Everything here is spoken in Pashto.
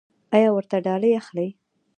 ایا ورته ډالۍ اخلئ؟